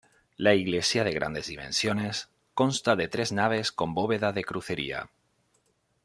La iglesia, de grandes dimensiones, consta de tres naves con bóveda de crucería.